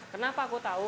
kenapa aku tahu